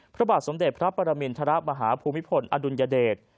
พระบาทสมเด็จพระปรมินทรมาฮภูมิพลอดุลยเดช